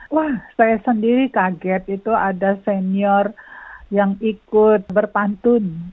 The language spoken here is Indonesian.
wah saya sendiri kaget itu ada senior yang ikut berpantun